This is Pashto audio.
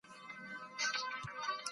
د دغي کیسې هره پاڼه د یوې مننې یادونه کوي.